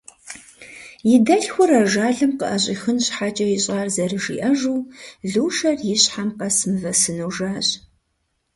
И дэлъхур ажалым къыӏэщӏихын щхьэкӏэ ищӏар зэрыжиӏэжу, Лушэр и щхьэм къэс мывэ сыну жащ.